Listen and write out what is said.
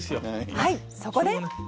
はいそこで。